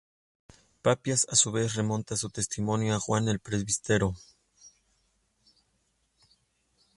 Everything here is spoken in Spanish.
Papías, a su vez, remonta su testimonio a Juan el Presbítero.